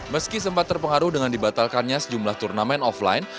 meski sempat terpengaruh dengan dibatalkannya sejumlah turnamen offline